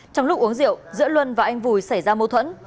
trong lúc uống rượu giữa luân và anh vùi xảy ra mâu thuẫn